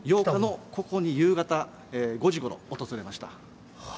８日のここに夕方５時ごろ、訪れました。